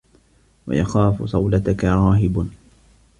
وَيَخَافُ صَوْلَتَك رَاهِبٌ